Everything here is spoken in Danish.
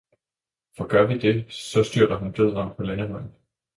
for gør vi det, så styrter han død om på landevejen!